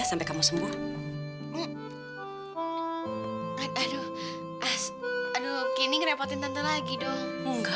sampai jumpa di video selanjutnya